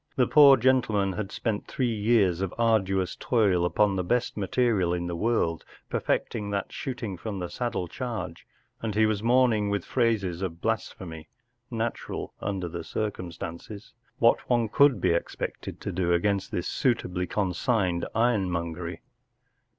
The poor gentleman had spent three years of ardu¬ ous toil upon the best material in the world perfecting that shooting from the saddle charge, and he was inquiring with phrases of blasphemy, natural under the circumstances, what one could be expected to do against this suitably consigned ironmongery.